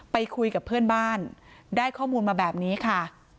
ไปคุยกับเพื่อนบ้านได้ข้อมูลมาแบบนี้ค่ะ